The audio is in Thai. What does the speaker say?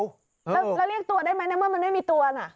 แล้วเรียกตัวได้ไหมในเมื่อมันไม่มีตัวน่ะ